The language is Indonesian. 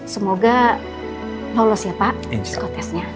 semoga lolos ya pak psikotestnya